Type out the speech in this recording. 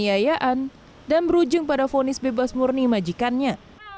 dengan niayaan dan berujung pada fonis bebas murni majikannya